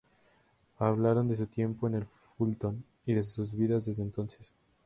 Hablaron de su tiempo en el Fulton, y de sus vidas desde entonces.